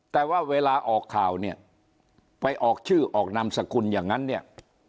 แต่ว่าเวลาออกข่าวเนี่ยไปออกชื่อออกนามสกุลอย่างนั้นเนี่ย